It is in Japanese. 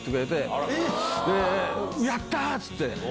やった！っつって。